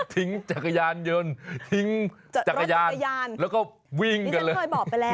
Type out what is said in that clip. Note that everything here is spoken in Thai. ทิ้งจักรยานยนต์ทิ้งรถจักรยานแล้วก็วิ่งกันเลย